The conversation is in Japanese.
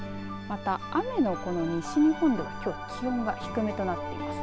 また雨のこの西日本では気温が低めとなっています。